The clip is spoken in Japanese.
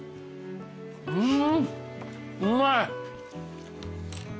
うんうまい！